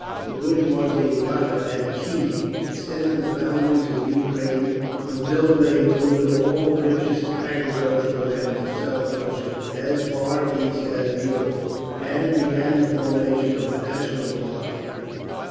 The bourgeois Rada at Kiev extended the boundaries of Ukraine until they included all the richest agricultural lands of South Russia, as far east as the Urals, and began the formation of a national army.